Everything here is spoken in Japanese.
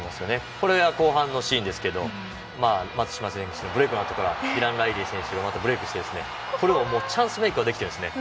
これは後半のシーンですけど松島選手、ブレークのあとからライリー選手がブレークしてこれはチャンスメークはできてるんですね。